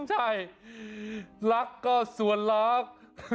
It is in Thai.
ใช่รักก็ส่วนรัก